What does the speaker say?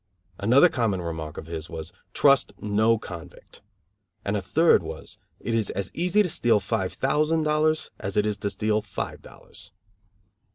Another common remark of his was: "Trust no convict," and a third was: "It is as easy to steal five thousand dollars as it is to steal five dollars."